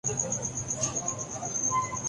جس نے جمہوری اداروں کو استحکام